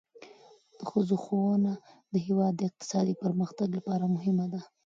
د ښځو ښوونه د هیواد د اقتصادي پرمختګ لپاره مهمه ده.